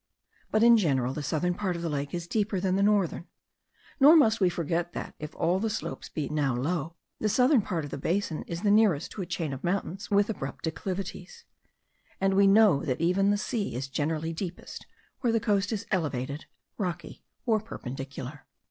But in general the southern part of the lake is deeper than the northern: nor must we forget that, if all the shores be now low, the southern part of the basin is the nearest to a chain of mountains with abrupt declivities; and we know that even the sea is generally deepest where the coast is elevated, rocky, or perpendicular.